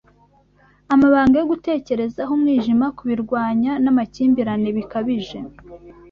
Amabanga yo gutekerezaho Umwijima Kubirwanya namakimbirane bikabije